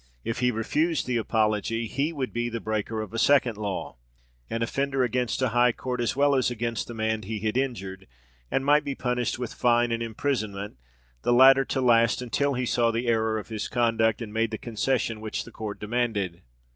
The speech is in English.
If he refused the apology, he would be the breaker of a second law; an offender against a high court, as well as against the man he had injured, and might be punished with fine and imprisonment, the latter to last until he saw the error of his conduct, and made the concession which the court demanded.